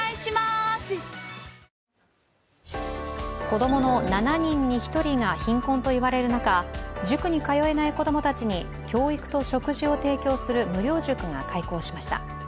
子供の７人に１人が貧困と言われる中塾に通えない子供たちに教育と食事を提供する無料塾が開校しました。